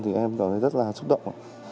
thì em cảm thấy rất là xúc động